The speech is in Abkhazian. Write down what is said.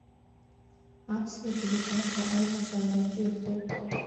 Аԥсуа делегациа аилазаараҿы иҟоуп…